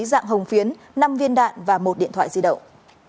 dạng hồng phiến năm viên đạn và một điện thoại di động